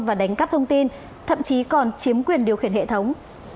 và đánh cắp thông tin thậm chí còn chiếm quyền điều khiển hệ thống